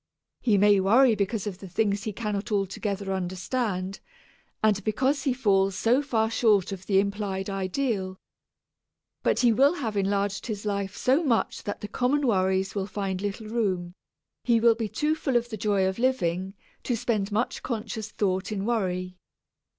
He may worry because of the things he cannot altogether understand, and because he falls so far short of the implied ideal. But he will have enlarged his life so much that the common worries will find little room he will be too full of the joy of living to spend much conscious thought in worry.